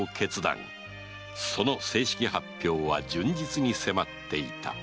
その正式発表は旬日に迫っていた